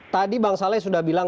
tadi bang saleh sudah bilang